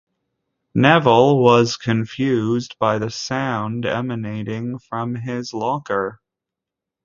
Neville was confused by the sound emanating from his locker.